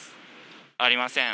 ありません。